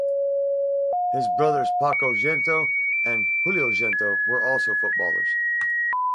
His brothers Paco Gento and Julio Gento were also footballers.